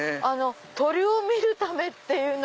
鳥を見るためっていうの。